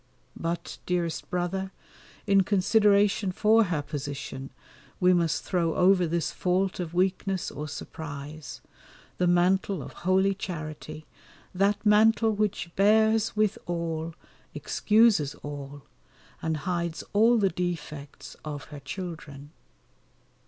But, dearest brother, in consideration for her position we must throw over this fault of weakness or surprise, the mantle of holy charity, that mantle which bears with all, excuses all, and hides all the defects of her children.